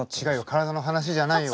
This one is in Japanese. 体の話じゃないよ